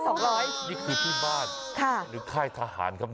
นี่คือที่บ้านหรือค่ายทหารครับ